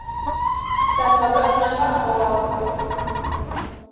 Salvador Nava o Av.